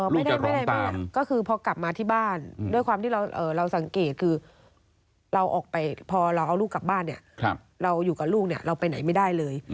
ไม่ได้บ้านก็คือพอกลับมาที่บ้านด้วยความที่เราสังเกตคือเราออกไปพอเราเอาลูกกลับบ้านเนี่ยเราอยู่กับลูกเนี่ยเราไปไหนไม่ได้เลย